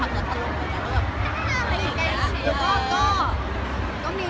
อยากจะไปสิงร่างริวอะไรอย่างงี้